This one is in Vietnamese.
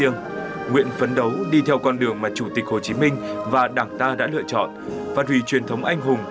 nguyện phấn đấu đi theo con đường mà chủ tịch hồ chí minh và đảng ta đã lựa chọn phát hủy truyền thống anh hùng